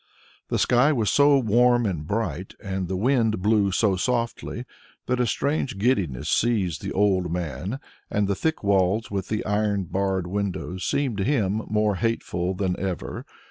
The sky was so warm and bright, and the wind blew so softly that a strange giddiness seized the old man, and the thick walls with the iron barred windows seemed to him more hateful than ever.